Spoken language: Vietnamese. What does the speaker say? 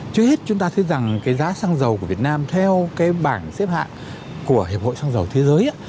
trước hết chúng ta thấy rằng cái giá xăng dầu của việt nam theo cái bảng xếp hạng của hiệp hội xăng dầu thế giới